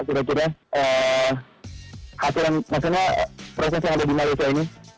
kira kira hasilnya proses yang ada di malaysia ini